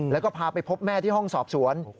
แล้วก็พาไปพบแม่ที่ห้องสอบสวน